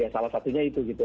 salah satunya itu gitu